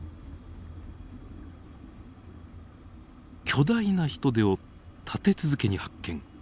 巨大なヒトデを立て続けに発見。